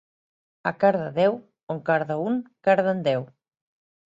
A Cardedeu, on carda un, carden deu.